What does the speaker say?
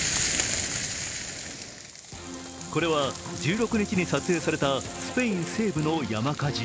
これは１６日に撮影されたスペイン西部の山火事。